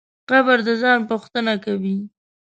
قبر د ځان پوښتنه کوي.